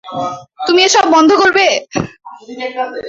তুমি এসব বন্ধ করবে।